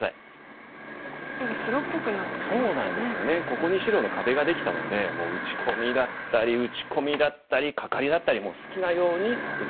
ここに白の壁ができたので打ち込みだったり打ち込みだったりカカリだったりもう好きなように打たれてしまう。